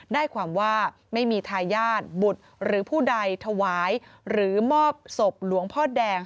ได้ความว่าไม่มีทายาทบุตรหรือผู้ใดถวายหรือมอบศพหลวงพ่อแดง